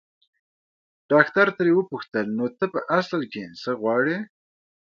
ډاکټر ترې وپوښتل نو ته په اصل کې څه غواړې.